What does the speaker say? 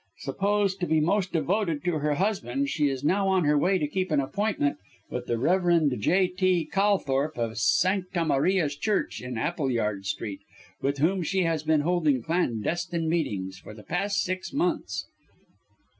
Supposed to be most devoted to her husband, she is now on her way to keep an appointment with the Rev. J.T. Calthorpe of Sancta Maria's Church in Appleyard Street, with whom she has been holding clandestine meetings for the past six months."